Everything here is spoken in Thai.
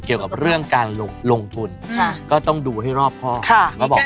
เกี่ยวกับเรื่องการลงทุนก็ต้องดูให้รอบครอบ